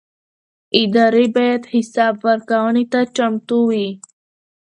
ادارې باید حساب ورکونې ته چمتو وي